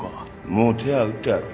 もう手は打ってある。